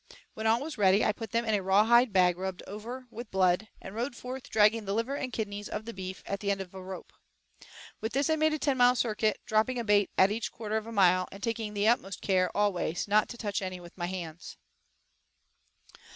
When all was ready, I put them in a raw hide bag rubbed all over with blood, and rode forth dragging the liver and kidneys of the beef at the end of a rope. With this I made a ten mile circuit, dropping a bait at each quarter of a mile, and taking the utmost care, always, not to touch any with my hands.